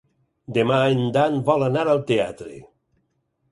Demà en Dan vol anar al teatre.